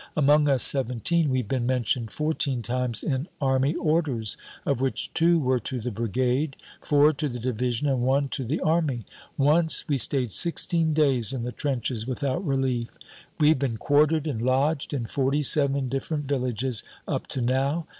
Among us seventeen, we've been mentioned fourteen times in Army Orders, of which two were to the Brigade, four to the Division, and one to the Army. Once we stayed sixteen days in the trenches without relief. We've been quartered and lodged in forty seven different villages up to now.